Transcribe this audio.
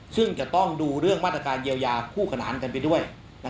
ซึ่งจะต้องดูเรื่องมาตรการเยียวยาคู่ขนานกันไปด้วย